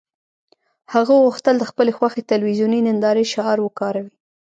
هغه غوښتل د خپلې خوښې تلویزیوني نندارې شعار وکاروي